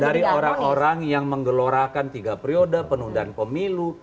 dari orang orang yang menggelorakan tiga periode penundaan pemilu